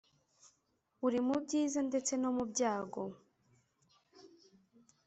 uri mu byiza ndetse no mu byago